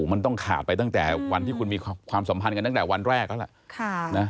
มันต้องขาดไปตั้งแต่วันที่คุณมีความสัมพันธ์กันตั้งแต่วันแรกแล้วล่ะ